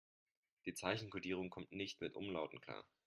Die Zeichenkodierung kommt nicht mit Umlauten klar.